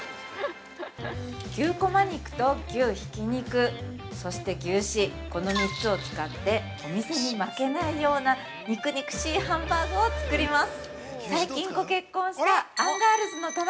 ◆牛こま肉と牛ひき肉そして牛脂、この３つを使ってお店に負けないような肉々しいハンバーグを作ります。